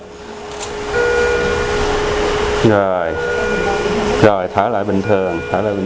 rồi rồi thở lại bình thường